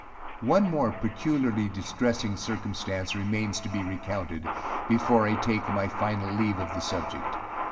One more peculiarly distressing circumstance remains to be recounted, before I take my final leave of the subject.